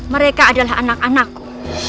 mereka adalah anak anakku